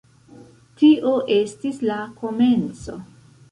Tio estis la komenco.